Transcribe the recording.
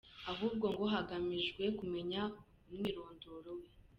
Ahubwo ngo hagamijwe kumenya umwirondoro we.